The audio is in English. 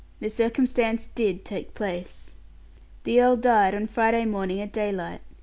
The circumstance did take place. The earl died on Friday morning at daylight.